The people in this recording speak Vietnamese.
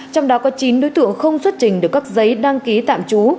trong đó có chín đối tượng không xuất trình được các giấy đăng ký tạm trú